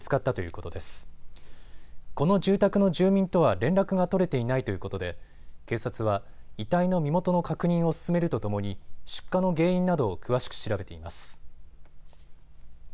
この住宅の住民とは連絡が取れていないということで警察は遺体の身元の確認を進めるとともに出火の原因などを詳しく調べています。